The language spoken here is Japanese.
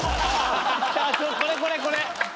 これこれこれ！